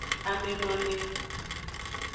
Amenoamengu.